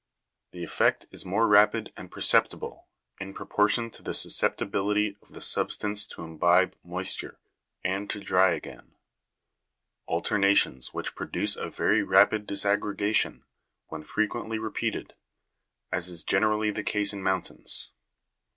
The effect is more rapid and perceptible, in proportion to the susceptibility of the substance to imbibe moisture, and to dry again ; alternations which produce a very rapid disaggregation, when frequently repeated, as is gene rally the case in mountains.